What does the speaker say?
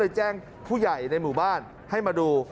แจ้งผู้ใหญ่ในหมู่บ้านให้มาดู